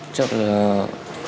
chắc là một kg